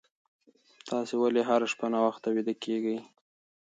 تاسي ولې هره شپه ناوخته ویده کېږئ؟